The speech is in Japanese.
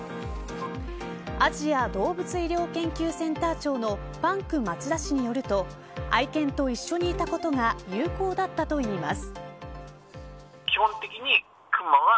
アジア動物医療研究センター長のパンク町田氏によると愛犬と一緒にいたことが有効だったといいます。